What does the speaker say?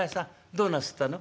どうなすったの？